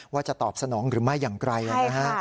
ว่าจะตอบสนองหรือไม่อย่างไกลใช่ค่ะ